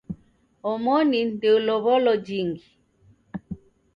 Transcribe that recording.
Omoni ndeulow'olo jingi.